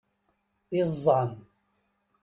Iẓẓan!